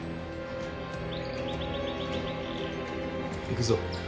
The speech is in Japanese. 行くぞ。